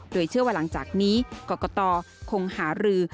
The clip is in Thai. โดยเชื่อว่าหลังจากนี้กรกตคงหารือ